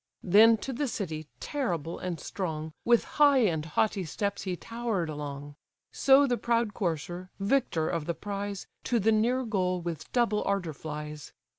Then to the city, terrible and strong, With high and haughty steps he tower'd along, So the proud courser, victor of the prize, To the near goal with double ardour flies.